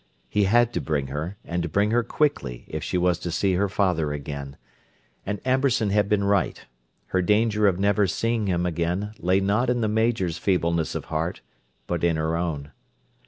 He had to bring her, and to bring her quickly if she was to see her father again; and Amberson had been right: her danger of never seeing him again lay not in the Major's feebleness of heart but in her own.